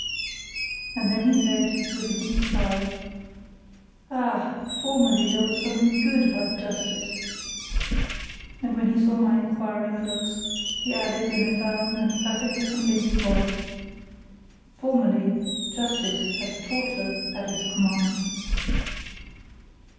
And then he said, with a deep sigh: "Ah! Formerly there was something good about justice!" And when he saw my inquiring looks, he added in a firm and perfectly convinced voice: "Formerly, justice had torture at its command."